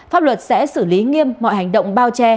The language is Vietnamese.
pháp luật sẽ xử lý nghiêm mọi hành động bao che